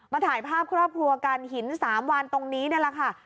ถ่ายภาพครอบครัวกันหิน๓วันตรงนี้นี่แหละค่ะ